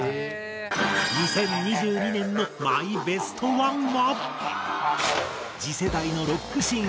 ２０２２年のマイベスト１は？